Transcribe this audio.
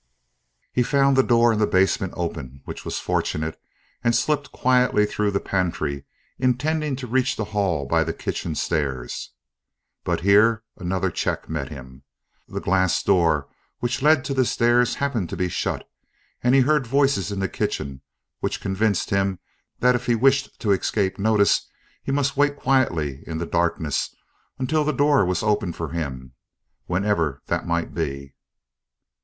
He found the door in the basement open, which was fortunate, and slipped quietly through the pantry, intending to reach the hall by the kitchen stairs. But here another check met him. The glass door which led to the stairs happened to be shut, and he heard voices in the kitchen, which convinced him that if he wished to escape notice he must wait quietly in the darkness until the door was opened for him, whenever that might be.